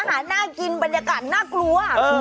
หาน่ากินบรรยากาศน่ากลัว